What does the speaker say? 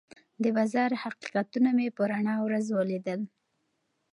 د بازار حقیقتونه مې په رڼا ورځ ولیدل.